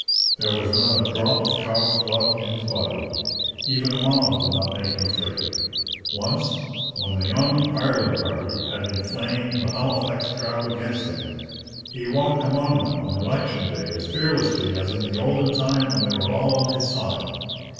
There was not a drop of coward's blood in his body. Even a mob did not make him afraid. Once, when the 'young Ireland' party had inflamed the Halifax crowd against him, he walked among them on election day as fearlessly as in the olden time when they were all on his side.